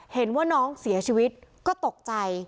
เห็นว่าน้องเสียชีวิตก็ตกใจ